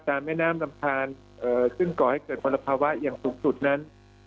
แม่น้ำลำทานซึ่งก่อให้เกิดมลภาวะอย่างสูงสุดนั้น